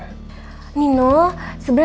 nino sebenernya jadwal itu udah penuh banget